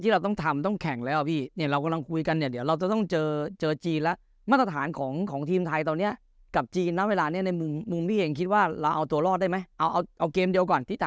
หอดแล้ววันเนี้ยที่เราต้องทำต้องแข่งไหมพี่